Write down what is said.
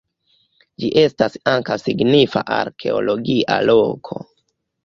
Ĝi estas ankaŭ signifa arkeologia loko.